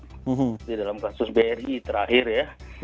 jadi dalam kasus bri terakhir ya